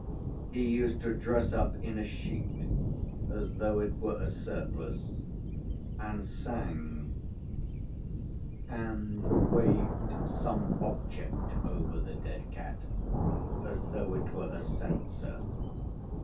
He used to dress up in a sheet as though it were a surplice, and sang, and waved some object over the dead cat as though it were a censer.